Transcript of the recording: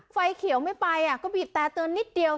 ไฟเขียวไม่ไปก็บีบแต่เตือนนิดเดียว